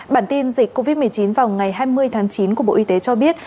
bản tin dịch covid một mươi chín vào ngày hai mươi tháng chín của bộ y tế cho biết